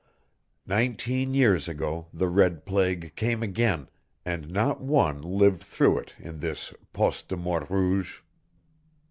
Nineteen years ago the red plague came again, and not one lived through it in this _Poste de Mort Rouge.